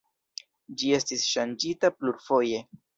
Ĝi estis ŝanĝita plurfoje.